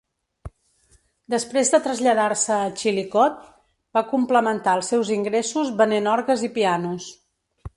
Després de traslladar-se a Chillicothe, va complementar els seus ingressos venent orgues i pianos.